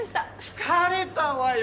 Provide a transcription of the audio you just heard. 疲れたわよ！